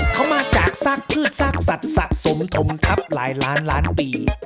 เขามาจากซากพืชซากสัตว์สะสมทมทัพหลายล้านล้านปี